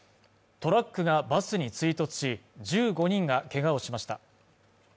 トラックがバスに追突し１５人がけがをしました